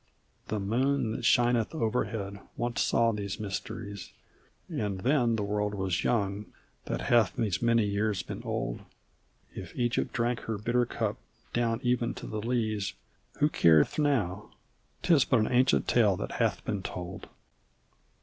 The moon that shineth overhead once saw these mysteries And then the world was young, that hath these many years been old; If Egypt drank her bitter cup down even to the lees Who careth now? 'Tis but an ancient tale that hath been told.